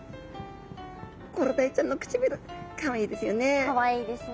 コロダイちゃんの唇かわいいですよね